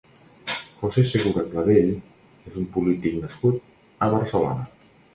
José Segura Clavell és un polític nascut a Barcelona.